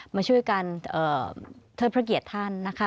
มาช่วยกันเทิดภรรกิจท่านนะคะ